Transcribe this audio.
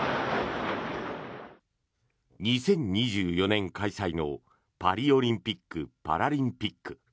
２０２４年開催のパリオリンピック・パラリンピック。